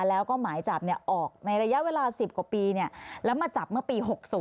แล้วก็หมายจับออกในระยะเวลา๑๐กว่าปีแล้วมาจับเมื่อปี๖๐